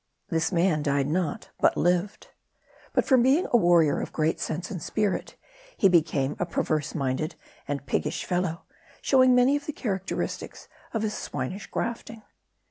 This man died not, but lived. But from being a warrior of great sense and spirit, .he became a perverse minded and piggish fellow, showing many of the characteristics of his swinish grafting.